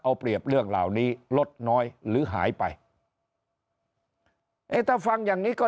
เอาเปรียบเรื่องเหล่านี้ลดน้อยหรือหายไปเอ๊ะถ้าฟังอย่างนี้ก็